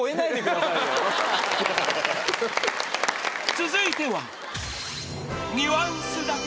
［続いては］